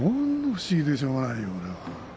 不思議でしょうがない。